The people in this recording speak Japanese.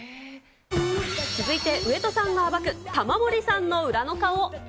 続いて上戸さんが暴く玉森さんの裏の顔。